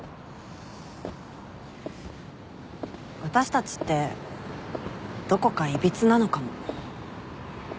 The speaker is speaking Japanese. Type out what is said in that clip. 私たちってどこかいびつなのかも。